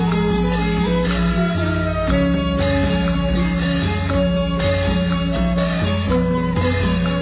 มหาองค์จากไปแดนใจยังสะทิดไทยหัวใจเตียงมัน